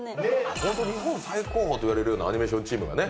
ホント日本最高峰と言われるようなアニメーションチームがね。